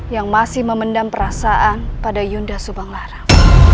yang masih memendam perasaan pada yunda subanglarang